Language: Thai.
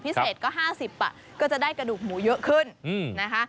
พิเศษก็๕๐ก็จะได้กระดูกหมูเยอะขึ้นนะคะ